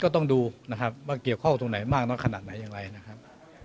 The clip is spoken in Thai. ต้องดูนะครับว่าเกี่ยวข้องตรงไหนมากน้อยขนาดไหนอย่างไรนะครับ